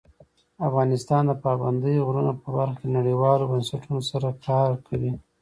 افغانستان د پابندی غرونه په برخه کې نړیوالو بنسټونو سره کار کوي.